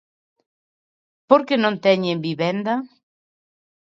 ¿Por que non teñen vivenda?